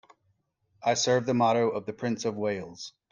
I serve the motto of the Prince of Wales.